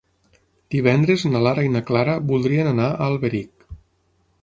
Divendres na Lara i na Clara voldrien anar a Alberic.